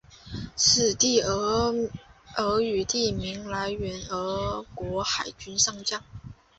此地俄语地名来源俄国海军上将。